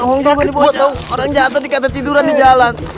oh orang jatuh di kata tiduran di jalan